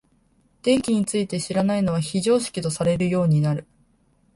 電気について知らないのは非常識とされるようになる。